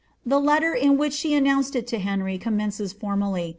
The letter in which she announced it to Henry commences for ' Ellis, 1st series.